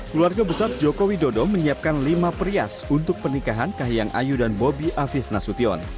keluarga besar joko widodo menyiapkan lima perias untuk pernikahan kahiyang ayu dan bobi afif nasution